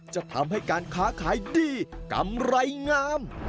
จะทำให้การค้าขายดีกำไรงาม